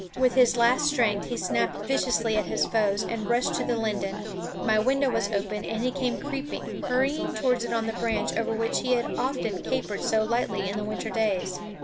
With his last strength he snapped viciously at his foes and rushed to the linden. My window was open, and he came creeping, hurrying towards it on the branch over which he had often capered so lightly in the winter days.